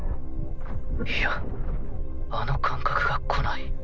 いやあの感覚が来ない。